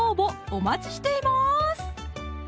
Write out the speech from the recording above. お待ちしています